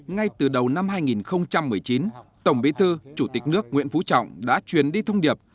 ngay từ đầu năm hai nghìn một mươi chín tổng bí thư chủ tịch nước nguyễn phú trọng đã truyền đi thông điệp